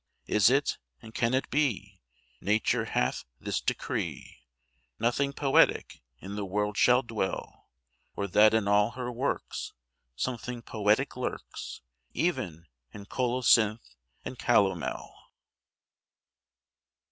Is it, and can it be, Nature hath this decree, Nothing poetic in the world shall dwell? Or that in all her works Something poetic lurks, Even in colocynth and calomel?